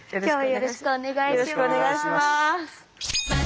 よろしくお願いします。